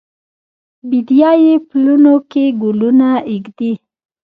بیدیا یې پلونو کې ګلونه ایږدي